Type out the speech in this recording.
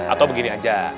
atau begini aja